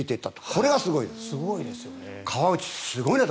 これがすごいなと。